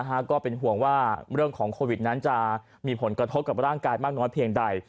ก็เป็นห่วงว่าเรื่องของโควิดนั้นจะมีผลกระทบกับร่างกายมากน้อยเพียงใด